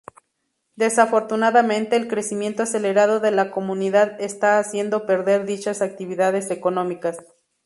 Desafortunadamente el crecimiento acelerado de la comunidad está haciendo perder dichas actividades económicas.